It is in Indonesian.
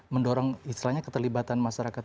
mendorong istilahnya keterlibatan masyarakat